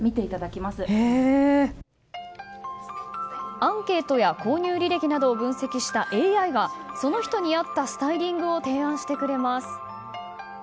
アンケートや購入履歴などを分析したＡＩがその人に合ったスタイリングを提案してくれます。